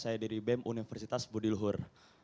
saya dari bem universitas budiluhur